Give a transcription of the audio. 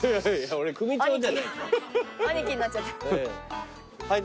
兄貴になっちゃって。